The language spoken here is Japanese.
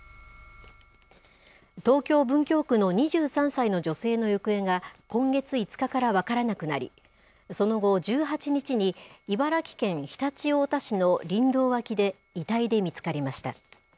東京・文京区の２３歳の女性の行方が今月５日から分からなくなり、その後、１８日に茨城県常陸太田市の林道脇で遺体で見つかりました。